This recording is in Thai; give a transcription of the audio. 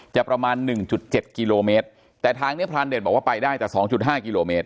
ประมาณหนึ่งจุดเจ็ดกิโลเมตรแต่ทางนี้พรานเด่นบอกว่าไปได้แต่สองจุดห้ากิโลเมตร